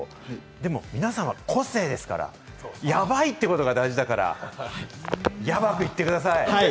でも皆さんは個性ですから、やばいっていうことが大事だから、ヤバく言ってください。